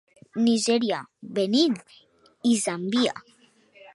Nigèria, Benín i Zàmbia.